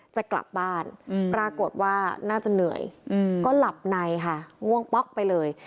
จะกลับบ้านปรากฏว่าน่าจะเหนื่อยก็หลับในค่ะง่วงป๊อกไปเลย